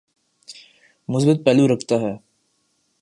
مثبت پہلو رکھتا ہے۔